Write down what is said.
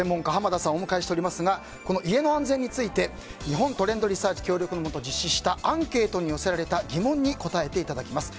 今日は専門家濱田さんをお迎えしておりますが家の安全について日本トレンドリサーチ協力のもと実施したアンケートに寄せられた疑問に答えていただきます。